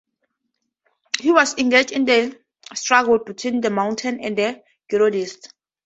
He was engaged in the struggle between the Mountain and the Girondists.